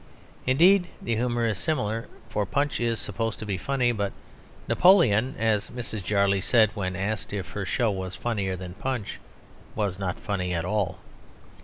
Indeed the humour is similar; for Punch is supposed to be funny, but Napoleon (as Mrs. Jarley said when asked if her show was funnier than Punch) was not funny at all.